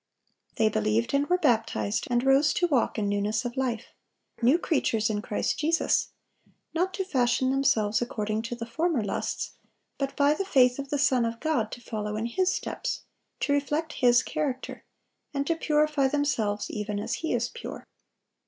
They believed and were baptized, and rose to walk in newness of life,—new creatures in Christ Jesus; not to fashion themselves according to the former lusts, but by the faith of the Son of God to follow in His steps, to reflect His character, and to purify themselves even as He is pure.